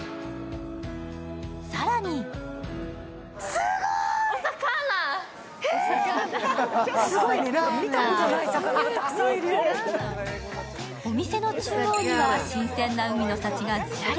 更にお店の中央には新鮮な海の幸がズラリ。